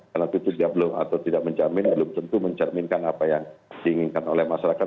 karena itu dia belum atau tidak menjamin belum tentu mencerminkan apa yang diinginkan oleh masyarakat